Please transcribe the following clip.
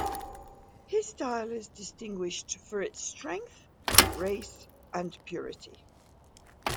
His style is distinguished for its strength, grace and purity.